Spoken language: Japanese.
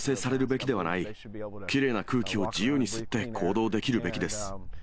きれいな空気を自由に吸って行動できるべきです。